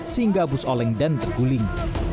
sehingga bus oleng dan terguling